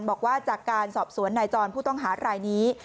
บอกว่าจากการสอบสวนนายจรผู้ต้องหารายนี้